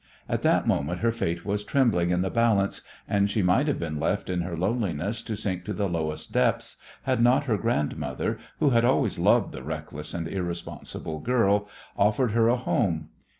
At that moment her fate was trembling in the balance, and she might have been left in her loneliness to sink to the lowest depths had not her grandmother, who had always loved the reckless and irresponsible girl, offered her a home.